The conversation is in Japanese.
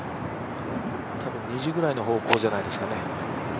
多分２時くらいの方向じゃないですかね。